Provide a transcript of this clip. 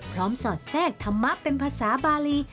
สอดแทรกธรรมะเป็นภาษาบาลี